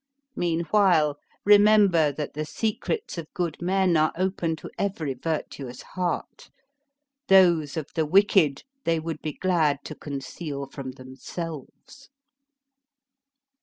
Meanwhile, remember that the secrets of good men are open to every virtuous heart; those of the wicked they would be glad to conceal from themselves."